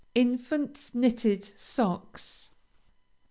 INFANT'S KNITTED SOCKS.